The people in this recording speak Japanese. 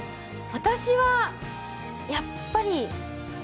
私はやっぱり。